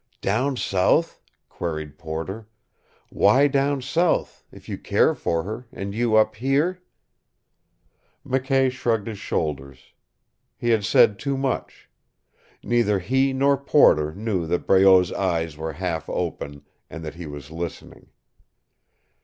"Down south?" queried Porter. "Why down south if you care for her and you up here?" McKay shrugged his shoulders. He had said too much. Neither he nor Porter knew that Breault's eyes were half open, and that he was listening.